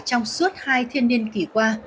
trong suốt hai thiên niên kỷ qua